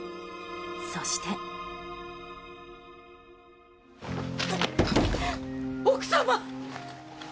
そして奥様！